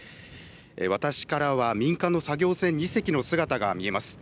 私からは民間の作業船２せきの姿が見えます。